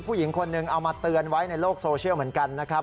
ผู้หญิงคนหนึ่งเอามาเตือนไว้ในโลกโซเชียลเหมือนกันนะครับ